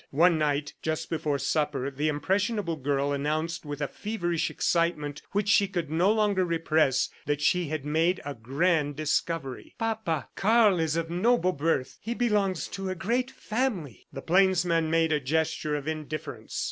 One night, just before supper, the impressionable girl announced with a feverish excitement which she could no longer repress that she had made a grand discovery. "Papa, Karl is of noble birth! He belongs to a great family." The plainsman made a gesture of indifference.